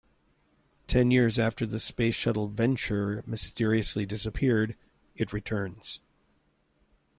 Ten years after the space shuttle "Venture" mysteriously disappeared, it returns.